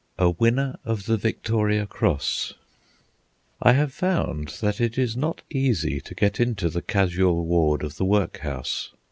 A WINNER OF THE VICTORIA CROSS I have found that it is not easy to get into the casual ward of the workhouse.